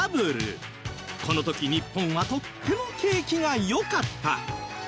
この時日本はとっても景気が良かった